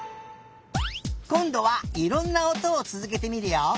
こんどはいろんなおとをつづけてみるよ。